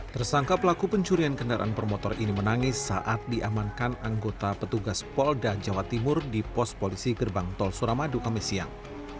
tersangka pelaku pencurian kendaraan bermotor ini menangis saat diamankan anggota petugas polda jawa timur di pos polisi gerbang tol suramadu kami siang